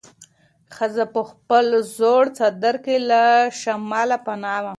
ښځه په خپل زوړ چادر کې له شماله پناه وه.